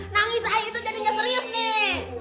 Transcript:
nangis ayu itu jadi gak serius nih